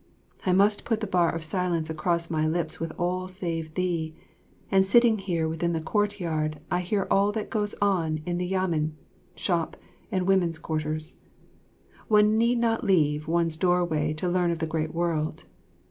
I must put the bar of silence across my lips with all save thee; and sitting here within the courtyard I hear all that goes on in Yamen, shop, and women's quarters. One need not leave one's doorway to learn of the great world.